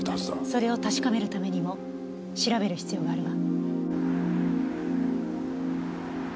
それを確かめるためにも調べる必要があるわ。